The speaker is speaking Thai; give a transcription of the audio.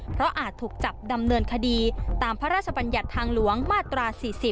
เพราะอาจถูกจับดำเนินคดีตามพระราชบัญญัติทางหลวงมาตรา๔๐